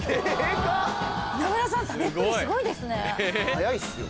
早いっすよ。